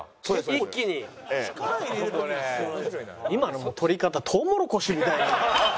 今の取り方トウモロコシみたいな。